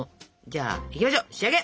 じゃあいきましょ仕上げ！